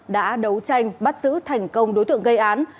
đã đấu tranh bắt giữ thành công đối tượng gây án